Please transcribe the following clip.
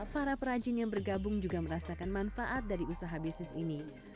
para perancing yang bergabung juga merasakan manfaat dari usaha bisnis ini